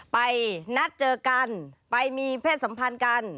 ไปนัดเจอกันไปมีเพศสัมพันธ์กัน